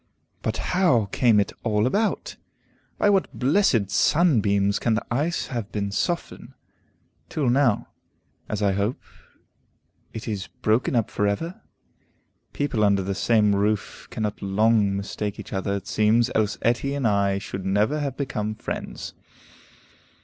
But how came it all about? By what blessed sunbeams can the ice have been softened, till now, as I hope, it is broken up for ever? People under the same roof cannot long mistake each other, it seems, else Etty and I should never have become friends.